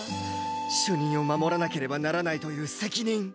主任を守らなければならないという責任